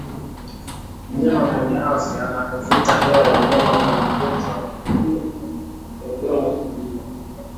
Mnyama mwenye afya anapovuta hewa ya mnyama mwenye ugonjwa wa miguu na midomo huugua